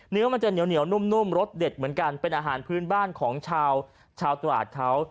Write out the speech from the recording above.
เนื้อมันจะเหนียวนุ่มรสเด็ดเหมือนกันเป็นอาหารพื้นบ้านของชาวตราดเขา